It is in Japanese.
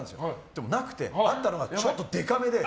でもなくてあったのが、ちょっとでかめで。